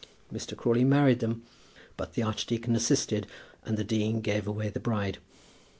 Mr. Crawley married them; but the archdeacon assisted, and the dean gave away the bride.